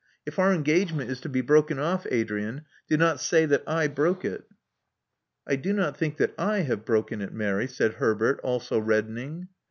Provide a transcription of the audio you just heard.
If our engagement is to be broken oflE, Adrian, do not say that I broke it." I do not think that /have broken it, Mary," said Herbert, also reddening.